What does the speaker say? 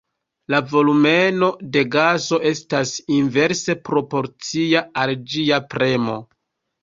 La volumeno de gaso estas inverse proporcia al ĝia premo.